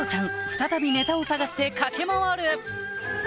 再びネタを探して駆け回る！